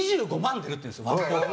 出るっていうんです。